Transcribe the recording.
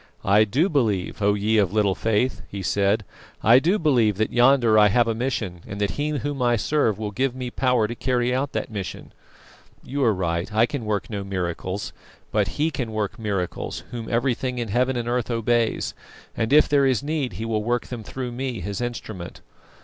"I do believe, O you of little faith!" he said. "I do believe that yonder I have a mission, and that He Whom I serve will give me power to carry out that mission. You are right, I can work no miracles; but He can work miracles Whom everything in heaven and earth obeys, and if there is need He will work them through me, His instrument.